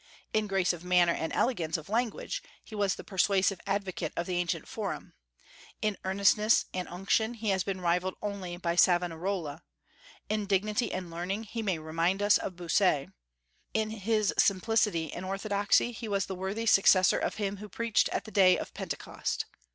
In grace of manner and elegance of language he was the persuasive advocate of the ancient Forum; in earnestness and unction he has been rivalled only by Savonarola; in dignity and learning he may remind us of Bossuet; in his simplicity and orthodoxy he was the worthy successor of him who preached at the day of Pentecost.